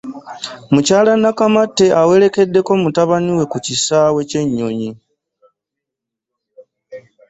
Mukyala Nakamatte awerekedde ko mutabani we ku kisaawe kye nnyonyi.